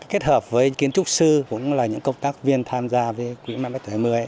kết hợp với kiến trúc sư cũng là những công tác viên tham gia với quỹ mãi mãi tuổi hai mươi